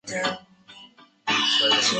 她和其他社交名媛一直有联系。